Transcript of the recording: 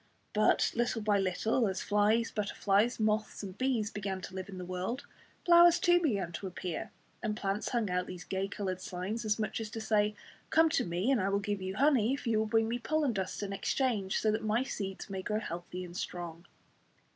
But little by little, as flies, butterflies, moths and bees began to live in the world, flowers too began to appear, and plants hung out these gay coloured signs, as much as to say, "Come to me, and I will give you honey if you will bring me pollen dust in exchange, so that my seeds may grow healthy and strong."